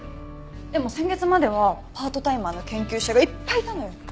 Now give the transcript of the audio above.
でも先月まではパートタイマーの研究者がいっぱいいたのよ。